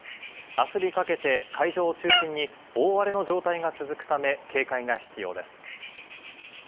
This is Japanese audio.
あすにかけて海上を中心に大荒れの状態が続くため、警戒が必要です。